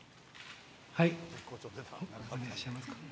ほかにいらっしゃいますか。